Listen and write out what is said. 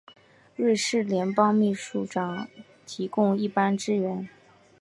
瑞士联邦秘书长提供一般支援。